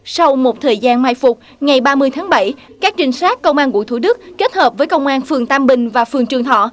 sau một thời gian mai phục ngày ba mươi tháng bảy các trinh sát công an quận thủ đức kết hợp với công an phường tam bình và phường trường thọ